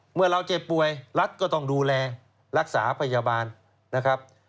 เมื่อเราเจ็บป่วยรัฐก็ต้องดูแลรักษาพยาบาลนะครับ